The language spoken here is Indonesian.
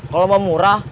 kalo mau murah